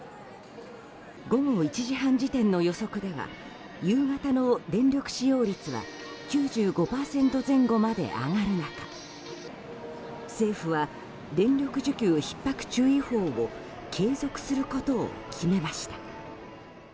午後１時半時点の予測では夕方の電力使用率が９５％前後まで上がる中政府は、電力需給ひっ迫注意報を継続することを決めました。